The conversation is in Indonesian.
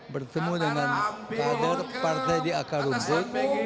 bertemu dengan kader partai di akar rumput